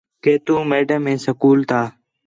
کہ تُو میڈم ہے سکول تا